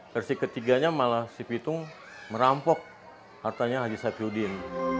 versi ketiganya malah si pitung merampok hartanya haji safirudin